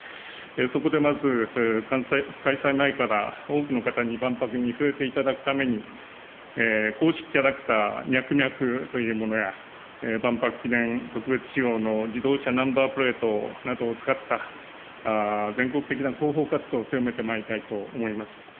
そこでまず、開催前から多くの方に万博に触れていただくために、公式キャラクター、ミャクミャクというものや、万博記念特別仕様の自動車ナンバープレートなどを使った全国的な広報活動を強めてまいりたいと思います。